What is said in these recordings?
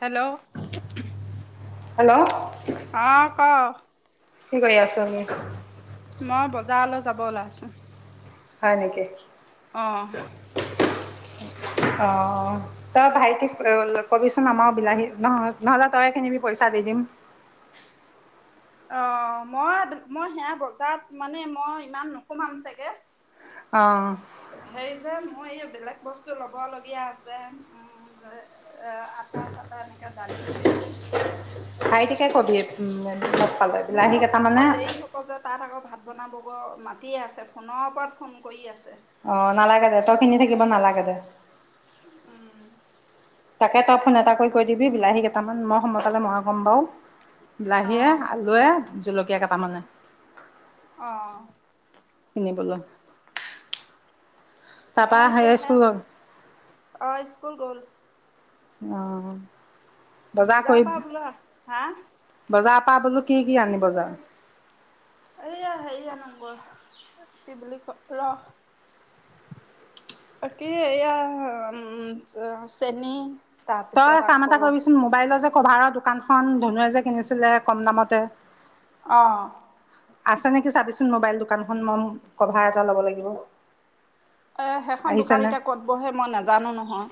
Hello hello আঁ ক কি কৰি আছহি? মই বজাৰলৈ যাব ওলাইছোঁ। হয় নেকি? অ'হ। অঁ। ত ভাইটিক অলপ কবিচোন আমাৰ বিলাহী, নহ, নহ'লে তয়ে কিনিবি, পইচা দি দিম। অ' মই, মই সেয়া বজাৰত, মানে মই ইমান নোসোমাম চাগে। অ'! হেৰি যে, মই এয়া বেলেগ বস্তু ল'ব লগীয়া আছে। অ আটা চাটা এনেকা। ডালি, চেনী। খাই থিকাই কবি, উম মোৰ আকৌ দেৰি হ'ব যে, তাত আকৌ ভাত বনাব মাতিয়ে আছে ফোনৰ ওপৰত ফোন কৰি আছে। অ নালাগে দে, তই কিনি থাকিব নালাগে দে। [unintelligible] উম তাকে তই ফোন এটা কৰি কৈ দিবি, বিলাহী কেইটামান, মই সময়পালে ময়ে ক'ম বাৰু। বিলাহীয়ে, অঁ আলুৱে। জলকীয়া কেইটামানে। অঁ এনেই বজোৱা। মই এতিয়া, [unintelligible] অ স্কুল গ'ল। অ'হ! বজাৰৰ পৰা বোলো, হা? পা বোলো কি কি আনিব যাই! এইয়া, হেৰি আনুগৈ, কি বুলি কয়, ৰহ কি, এয়া, চেনী। তই তাৰপিছত কাম এটা আকৌ কৰিবিচোন। মোবাইলৰ যে কভাৰৰ দোকানখন ধনুুৱে যে কিনিছিলে, কম দামতে। অ'হ। আছে নেকি চাবিচোন মোবাইল দোকানখন, মই কভাৰ এটা ল'ব লাগিব। এ সেইখন দোকান আহিছেনে এতিয়া ক'ত বহে, মই নাজানোঁ নহয়।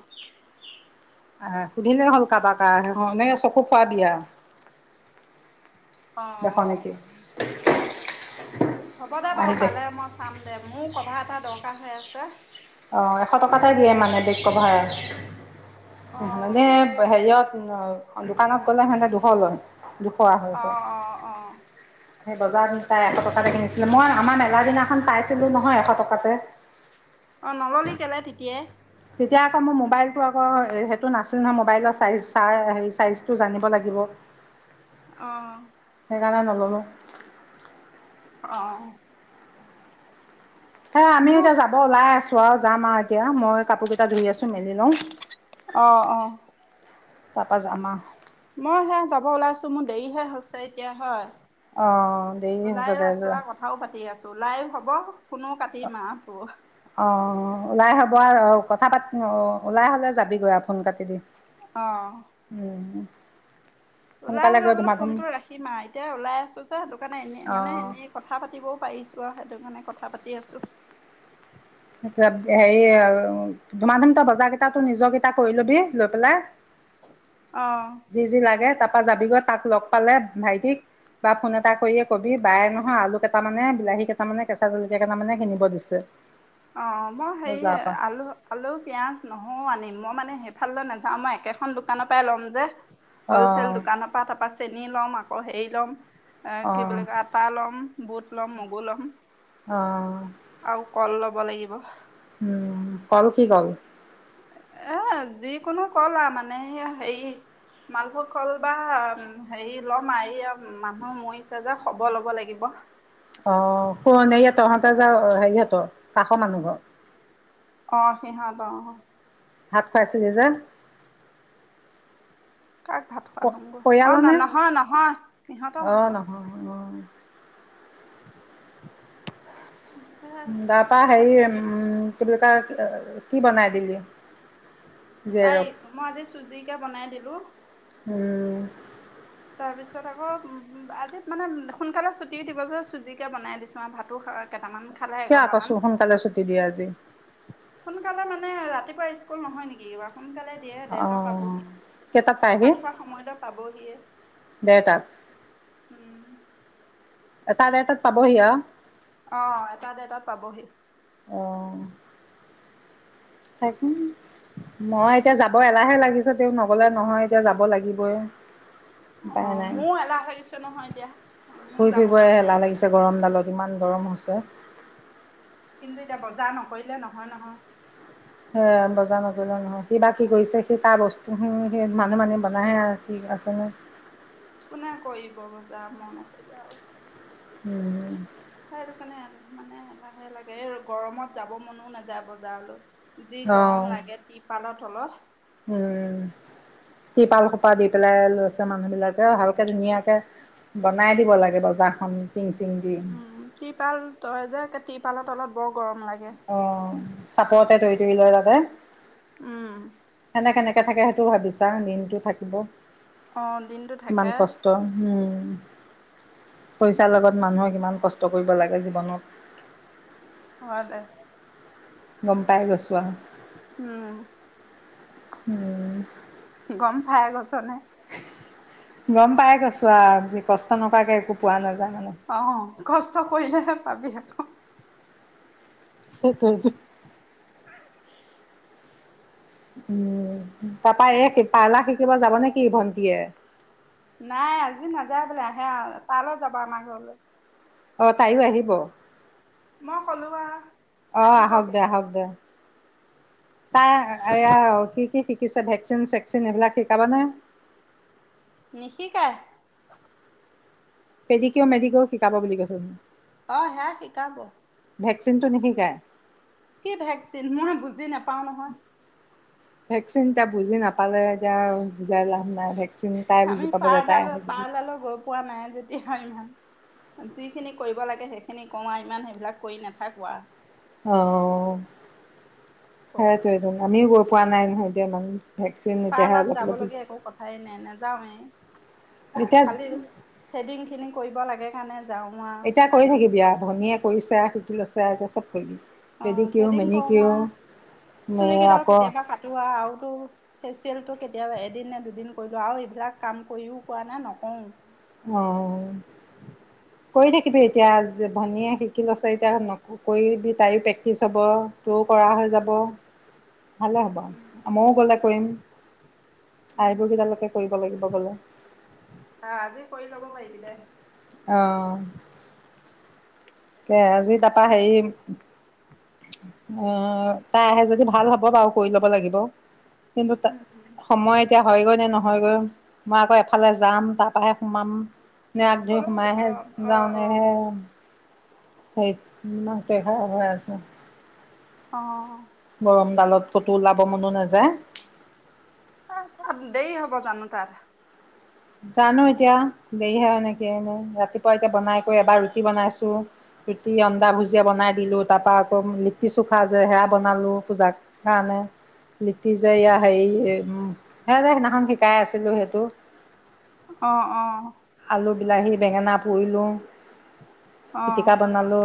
আহ সুধিলে হ'ল কাবাক আৰু, সেইধৰণে চকু ফুৰাবি আৰু। অ দেখ নেকি! [unintelligible] হ'ব দে বাৰু, পালে মই চাম দে। মোৰো কভাৰ এটা দৰকাৰ হৈ আছে। অঁ এশ টকাতেই দিয়ে মানে বেত কভাৰ। অ নহলে নে শাৰীত দোকানত গ'লে সিহঁতে দুখ লবই। অ '- অ ' -অ ' সেই বজাৰত তাই এশ টকাতে কিনিছিলো মই আমাৰ মেলা দিনাখন পাইছিলোঁ নহয় এশ টকাতে। অ' নললে কেলে তেতিয়াই। তেতিয়া আকৌ মোৰ মোবাইলটো আকৌ সেইটো নাছিল নহয় মোবাইলৰ চাইজ হে চাইজটো জানিব লাগিব। অ ' সেইকাৰণে নললো। অ ' হে আমিও এতিয়া যাব ওলাই আছো। চোৱাও যাম আৰু এতিয়া মই কাপোৰ কেইটা ধুই আছো মেলি লওঁ। অ ' অ ' তাৰপা যাম আও। মই সেয়া যাব ওলাইছো মোৰ দেৰিহে হৈছে এতিয়া হয়। অ ' দেৰীয়ে হৈছে ওলাইও হব। ফোনো কাটিম আৰু অ' ওলাই হব আৰু অ' কথা পাত ওলাই হ'লে যাবিগৈ আৰু ফোন কাটি দিম। অ উম, ওলাই সোনকালে হ'লে গৈ বোলে ধুমাধুম ফোনটো ৰাখিম আৰু এতিয়া ওলাই আছো যে সেইটো কাৰণে এনে মানে অ' এনেই কথা পাতিবও পাৰিছো আৰু সেইটো কাৰণে কথা কথা পাতি আছো। হেৰি ধুমা ধুম তই বজাৰ কেইটা নিজৰ কেইটা কৰি লবি লৈ পেলাই। অ যি যি লাগে তাৰপা পৰা যাবিগে তাক লগ পালে ভাইটিক বা ফোন এটা কৰিয়ে কবি বাইয়ে নহয় আলু কেইটা মানে বিলাহী কেইটা মানে কেঁচা জলকীয়া কেইটা মানে কিনিব দিছে। অ মই হেৰি বজাৰ পৰা আলু আলু পিয়াজ নহও আনিম। মই মানে সেইফাললৈ নাযাও মই একেখন দোকানৰ পৰাই ল'ম যে। হলচেল অঁ দোকানৰ পৰা তাৰপা। চেনি ল'ম আকৌ হেৰি ল'ম। এ কি অঁ বুলি ক আটা ল'ম বুট ল'ম মগু ল'ম অ আৰু কল ল'ব লাগিব উম কল কি কল। এ যিকোনো কল আৰু মানে হেৰি মালভোগ কল বা হেৰি লম আও মানুহ মৰিছে যে খব ল'ব লাগিব। অ তহঁতৰ যে হেৰিহঁতৰ কাষৰ মানুহ ঘৰ। অ সিহত অহ। ভাত খাইছিলি যে। কাক ভাত খোৱা লু গৈ? অ পৰিয়ালৰ নে নহয় নহয় সিহঁতৰ অঁ নহয়। অঁ এ তাৰ পৰা সেইটো হেৰি কাৰণে উম এতিয়া কি বুলি কয় কি বনাই দিলি? জীয়েৰক তাইক মই আজি চুজিকে বনাই দিলো। উম তাৰপিছত আকৌ আজি মানে সোনকালে ছুটি দিব যে চুজিকে বনাই দিছোঁ আৰু ভাতো কেইটামান খালে কিয় আকো এগহামান। স্কুল সোনকালে ছুটি দিয়ে আজি? সোনকালে মানে ৰাতিপুৱা স্কুল নহয় নেকি কিবা। সোনকালে দিয়ে দেৰটাত অ', পাবহি, কেইটাত পায়হি? ভাত খোৱাৰ সময়লৈ পাবহিয়ে, দেৰটাত, উম। এটা-ডেৰটাত পাবহি আৰু। অহ, এটা দেৰতাত পাবহি। থাকিম, মই এতিয়া যাব এলাহে লাগিছে, তেও নগলে নহয় এতিয়া যাব লাগিবই। উপায় অ', নাই মোৰো এলাহ লাগিছে নহয় এতিয়া, ঘূৰি মোৰ যাব ফুৰিবই মন নাই। এলাহ লাগিছে গৰমডালত ইমান গৰম হৈছে। কিন্তু এতিয়া বজাৰ নকৰিলে নহয় নহয়। সেয়ে, বজাৰ নকৰিলে নহয় সি বা কি কৰিছে, সেই তাৰ বস্তু হিনি মানুহ মানে বনাইহে আৰু কি আছেনে কোনে কৰিব বজাৰ মই নকৰিলে আৰু। উম। হেইটোকাৰণে মানে এলাহে লাগে, এই গৰমত যাব মনও নাযায় বজাৰলৈ। যি গৰম অ', লাগে তিৰপালত তলত। উম', তিৰপাল সোপা দি পেলাই লৈছে মানুহ বিলাকে, ভালকে ধুনীয়াকে বনাই দিব লাগে বজাৰখন পি উম', টিৰপাল তই যে', টিৰপালৰ তলত বৰ গৰম লাগে অ'। চাপৰতে তৰি তৰি লয় তাতে। উম। সেনে থাকে কেনেকে সেইটো ভাবি চা, দিনটো থাকিব। অ দিনটো ইমান থাকে কষ্ট। উম। পইচাৰ লগত মানুহে কিমান কষ্ট কৰিব লাগে জীৱনত। হয় দে গম পাই গৈছোঁ আৰু। উম। উম গম পাই গৈছোঁ। নে। গম পাই গৈছোঁ আৰু কষ্ট নকৰাকে একো পোৱা নাযা অ', কষ্ট কৰিলেহে ভাবি আছো। সেইটোৱে, উম', তাৰাপা এই পাৰ্লাৰ শিকিব যাব নেকি ভন্টিয়ে? নাই আজি নাযায় বোলে আহে তালৈ যাবা আমাৰ ঘৰলৈ। অ ', তাইও আহিব। মই কলো আহ', অহ', আহক দে- আহক দে। তাই এয়া কি কি শিকিছে? ভেকচিন- চেক, ভেকচিন এইবিলাক শিকাবানে? নিশিকায়। পেডিকেও -মেডিকেও শিকাব বুলি কৈছে, অ সেয়া শিকাব। ভেকচিনটো নিশিকায়? কি ভেকচিন মই বুজি নাপাও নহয় ভেকচিন এতিয়া বুজি নাপালে এতিয়া আৰু বুজাই লাভ নাই। ভেকচিন তাই বুজি আমি পাব যে তাই পাৰডাল আহে যদি পাৰডালো গৈ পোৱা নাই যেতি এতি ইমান যিখিনি কৰিব লাগে সেইখিনি কওঁ আৰু ইমান সেইবিলাক কৰি নাথাকো আৰু অ আৰু সেইটোদম আমিও গ পোৱা নাই নহয় এতিয়া ইমান ভেকচিন এতিয়াহে পাৰ্লাত অলপ যাব অলপ বুজি লগগীয়া একো কথাই নাই নাযাওৱে এতিয়া খালি থ্ৰেডিং খিনি কৰিব লাগে। কাৰণে যাওঁ আৰু এতিয়া কৰি থাকিব ভনীয়ে কৰিছে। তি লছ অ এতিয়াব কৰি দিম অ থ্ৰেডিং কৰো আৰু চুলি কেইডাল আকৌ কেতিয়াবা কটোৱা আৰুতো ফেচিয়েলটো এতিয়া এদিন নে দুদিন কৰিলো আৰু এইবিলাক কাম কৰিও কোৱা নে নকওঁ। অহঁ কৰি থাকিবি এতিয়া। যে ভনীয়ে শিকি ল'ছে এতিয়া ন কৰিবি তাইো প্ৰেক্টিছ হ'ব তইও কৰা হৈ যাব ভালে হ'ব উম ময়ো গ'লে কৰিম। উম আইবোৰ কেইডালৈকে কৰিব লাগিব গলে। হা আজি কৰি ল'ব পাৰি ল'ব পাৰি দে। অহ। এ আজি তাৰাপা হেৰি উ তাই আহে যদি ভাল হ'ব বাৰু কৰি ল'ব লাগিব। কিন্তু উম সময় এতিয়া হয়গৈ নে নহয়গৈ মই আকৌ এফালে যাম তাৰ পৰাৰাহে সোমাম নে আগ ধৰি কলৈ সোমাই অ হে অ যাওঁ অ নে? সেই মাকতে খাৰপ হৈ আছে। অহ। গৰম ডালত ক'তো ওলাব মনো নাযায়। দেৰি হ'ব জানো তাৰ? জানো এতিয়া দেৰিহে এনেকে এনে ৰাতিপুৱা এতিয়া বনাই কৰি এবাৰ ৰুটি বনাইছোঁ ৰুটি আন্দা ভুজিয়া বনাই দিলোঁ তাৰপৰা আকৌ লিট্টি চুখা যে সেয়া বনালোঁ পূজাৰ কাৰণে লিট্টি যে এয়া হেৰি সেয় যে সেইদিনাখন শিকাই আছিলোঁ সেইটো। অহ অ আলু বিলাহী বেঙেনা পুৰিলোঁ। অ পিটিকা বনালো।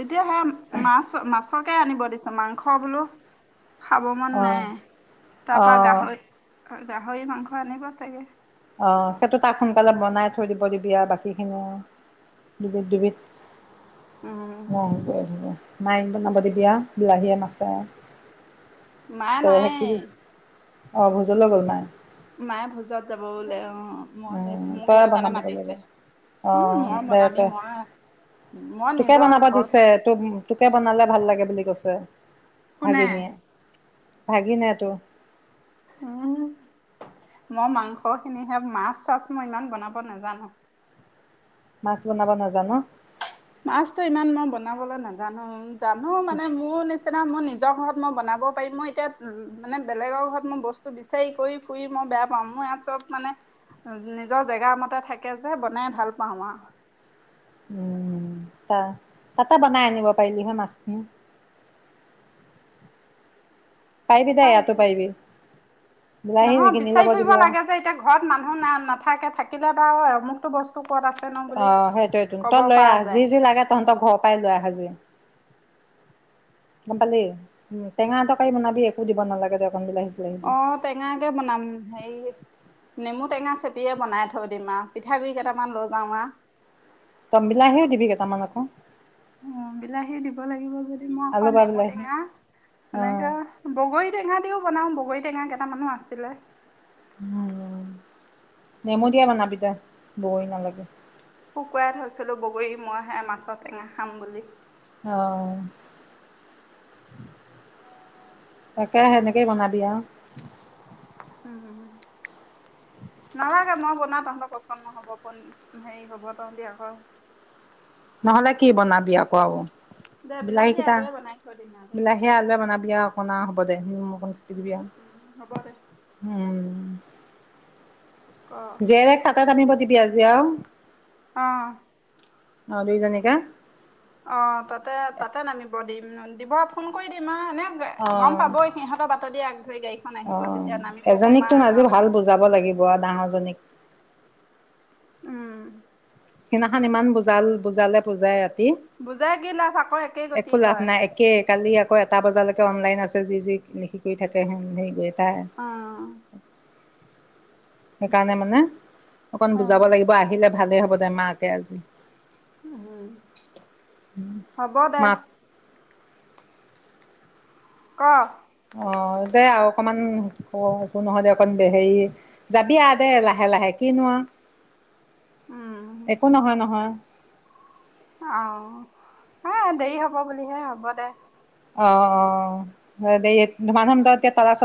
এতিয়া সে মাছ মাছ। মাছকে আনিব দিছো মাংস বোলো খাব মন অঁ নাই তাৰ পৰা অঁ গাহৰি। গাহৰি মাংস আনিব চাগে অ সেইটো তাক সোনকালে বনাই থৈ দিব দিবি আৰু বাকীখিনি আৰু দুবিধ উম দুবিধ। ম হব হব মাইক বনাব দিবা বিলাহীয়ে মাছে। মা নাই। অ ভোজলৈ গ'ল মা। মায়ে ভোজত যাব বোলে অ মই উম মোক তই সেইটো কাৰণে বনাবগৈ মাতিছে লাগিব অ উম মই দে বনামি তই মই মই তোকে নিজৰ বনাব ঘৰত। দিছে তো তোকে বনালে ভাল লাগে বুলি কৈছে। কোনে ভাগিনিয়ে ভাগিনে টোৰ উ মই মাংস খিনিহে মাছ চাছ মই ইমান বনাব নাজানো। মাছ বনাব নাজান। মাছতো ইমান মই বনাবলৈ নাজানো। জানো মানে মোৰ নিচিনা মোৰ নিজৰ ঘৰত। মই বনাব পাৰিম মই এতিয়া মানে বেলেগৰ ঘৰত মই বস্তু বিচাৰি কৰি ফুৰি মই বেয়া পাওঁ মোৰ ইয়াত চব মানে নিজৰ জেগা মতে থাকে যে বনাই ভাল পাওঁ আৰু উম ত তাতে বনাই আনিব পাৰিলি হয় মাছখিনি। পাৰিবি দে এইয়াতে পাৰিবি। বিলাহী নহয় কিনি ল'ব বিচাৰি ফুৰিব দিবি আৰু লাগে যে এতিয়া ঘৰত মানুহ না নাথাকে থাকিলে বাৰু অমক। টো বস্তু ক'ত আছে ন অ বুলি সেইটোয় ক'ব তই লৈ পৰা আহ যি যায় যি লাগে তহঁতৰ ঘৰত। পাই লৈ ভাজি গম পালি টেঙা তৰকাৰী বনাবি একো দিব নালাগে দে অকণ বিলাহী চিলাহী দি অ টেঙা কে বনাম হে নেমু টেঙা চেপিয়ে বনাই থৈ দিম আৰু পিঠাগুডৰি কেইটামান লৈ যাওঁ আ তম বিলাহেও দিবি কেইটামান আকৌ অ বিলাহী দিব লাগিব যদি মই আকৌ আলু বা নেমু বিলাহী টেঙা অ এনেকে বগৰী টেঙা দিও বনাও বগৰী। টেঙা কেইটা মান আছিলে উম নেমু দিয়া বনাবি তা বগৰী নালাগে শুকুৱাই থৈছিলো বগৰী মইহে মাছৰ টেঙা খাম বুলি। অ'হ। তাকে, হেনেকেই বনাবি আৰু। উম! নালগে মই বনাও পচন্দ নহ'ব, পলি, হেৰি হ'ব তহঁতি আকৌ। নহলে কি বনাবি আৰু? দে বিলাহী কেইটা, আলুৱে বনাই থৈ দিম আৰু দে বিলাহীয়ে আলুয়ে বনাবি আৰু অকমাণ। হ'ব দে, ম [unintelligible] [unintelligible] উম হ'ব দে উম। ক জিয়েৰে খাতাত আমি দি দিবি আজি আও। অ'হ। অ দুইজনীকে। অ তাতে, তাতে নামিব দিম। উ দিব, ফোন কৰি দিম অ'। এনে গম অ' পাব সিহঁতৰ বাতৰ দি অ', এজনীকতো আজি আহালৈ ভাল বুজাব লাগিব আৰু, ডাঙৰজনীক। উম! সিদিনাখন ইমান বুজাল, বুজালে, বুজাই তি বুজাই কি লাভ আকৌ একেই গতি একো লাভ হয় নাই, একে, কালি আকৌ আকৌ এটা বজালৈকে অনলাইন আছে, যি যি লেখি কৰি থাকে, হেৰি কৰি থাক তাই। অঁ সেইকাৰণে মানে অকণ অঁ বুজাব লাগিব আহিলে ভালে হ'ব তেতিয়া। জমাকে আজি উম, হ'ব দে। মাক ক! অ' দে আৰু অকমান, একো নহয় দে, অকণ হেৰি, যাবি আৰু দে, লাহে লাহে কিনো আৰু। উম একো নহয় নহয়। অ'হ, অ'হ দেৰি হ'ব বুলিহে, হ'ব দে। অ'! অ! ধুমাধুম হেৰি এতিয়া তলা চলা